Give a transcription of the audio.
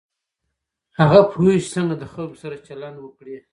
هغه پوهېږي چې څنګه د خلکو سره چلند وکړي.